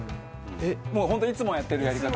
もう本当いつもやってるやり方で。